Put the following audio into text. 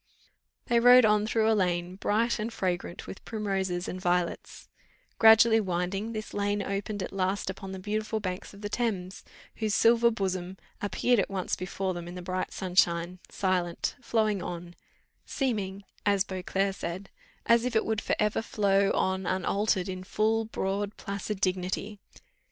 They rode on through a lane bright and fragrant with primroses and violets; gradually winding, this lane opened at last upon the beautiful banks of the Thames, whose "silver bosom" appeared at once before them in the bright sunshine, silent, flowing on, seeming, as Beauclerc said, as if it would for ever flow on unaltered in full, broad, placid dignity.